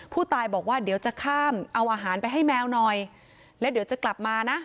ผู้ตายบอกว่าเดี๋ยวจะข้ามเอาอาหารไปให้แมวหน่อยแล้วเดี๋ยวจะกลับมานะ